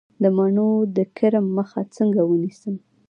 د مڼو د کرم مخه څنګه ونیسم؟